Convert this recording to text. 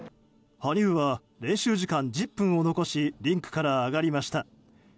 羽生は、練習時間１０分を残しリンクから上がりました。